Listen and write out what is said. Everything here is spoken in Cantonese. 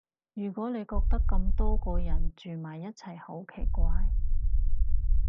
如果你覺得咁多個人住埋一齊好奇怪